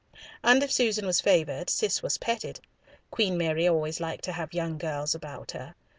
And if Susan was favoured, Cis was petted. Queen Mary always liked to have young girls about her.